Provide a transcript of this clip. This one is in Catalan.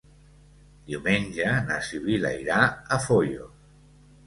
Diumenge na Sibil·la irà a Foios.